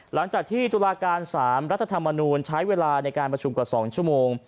หลังจากที่ตุลาการ๓รัฐธรรมนูลใช้เวลาในการประชุมกว่า๒ชั่วโมง